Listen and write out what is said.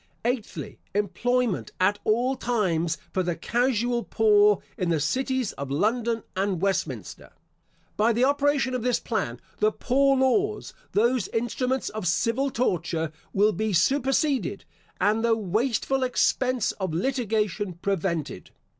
Eighthly, Employment, at all times, for the casual poor in the cities of London and Westminster. By the operation of this plan, the poor laws, those instruments of civil torture, will be superseded, and the wasteful expense of litigation prevented.